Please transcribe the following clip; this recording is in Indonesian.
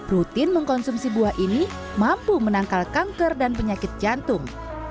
rutin mengkonsumsi buah ini mampu menangkal kanker dan penyakit jantung